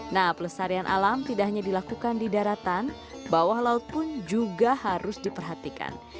nah pelestarian alam tidak hanya dilakukan di daratan bawah laut pun juga harus diperhatikan